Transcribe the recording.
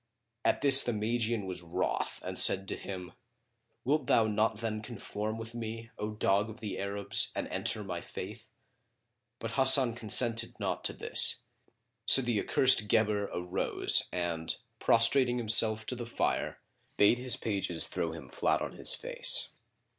At this the Magian was wroth and said to him, "Wilt thou not then conform with me, O dog of the Arabs, and enter my faith?" But Hasan consented not to this: so the accursed Guebre arose and prostrating himself to the fire, bade his pages throw him flat on his face.